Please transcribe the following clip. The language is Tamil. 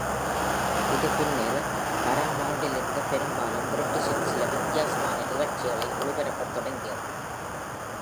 இது பின்னர் பாரமவுண்டிலிருந்து பெரும்பாலும் பிரிட்டிஷின் சில வித்தியாசமான நிகழ்ச்சிகளை ஒளிபரப்பத் தொடங்கியது.